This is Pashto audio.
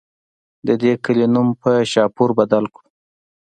د دې کلي نوم پۀ شاهپور بدل کړو